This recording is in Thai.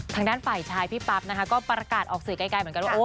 ทางด้านฝ่ายชายพี่ปั๊บนะคะก็ประกาศออกสื่อไกลเหมือนกันว่า